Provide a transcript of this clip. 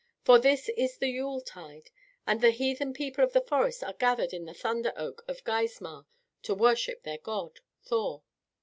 For this is the Yuletide, and the heathen people of the forest are gathered at the thunder oak of Geismar to worship their god, Thor.